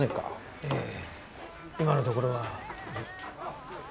ええ今のところは。